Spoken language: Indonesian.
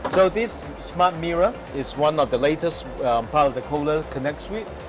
jadi ini adalah panggilan pintar yang terbaru dari kola connect suite